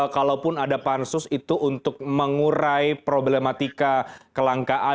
kalaupun ada pansus itu untuk mengurai problematika kelangkaan